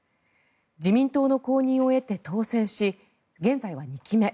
自民党の公認を経て当選し現在は２期目。